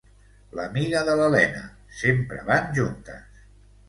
L’amiga de l’Elena, sempre van juntes!